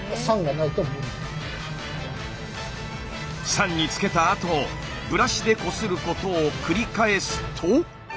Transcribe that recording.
酸につけたあとブラシでこすることを繰り返すと。